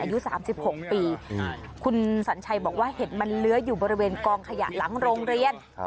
อุ๊ยคุณเนี๊ยะเชื้ออยู่บริเวณกลางขยะหลังโรงเรียน